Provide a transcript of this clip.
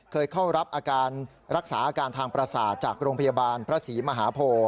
เคยเข้ารับอาการรักษาอาการทางประสาทจากโรงพยาบาลพระศรีมหาโพ